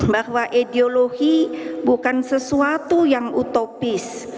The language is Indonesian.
bahwa ideologi bukan sesuatu yang utopis